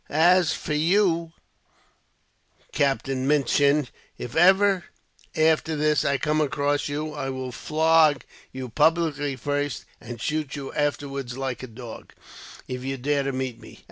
"As for you, Captain Minchin, if ever after this I come across you, I will flog you publicly first, and shoot you afterwards like a dog, if you dare to meet me.